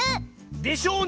でしょうに！